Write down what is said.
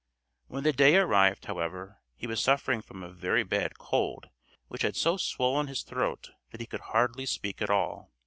When the day arrived, however, he was suffering from a very bad cold which had so swollen his throat that he could hardly speak at all.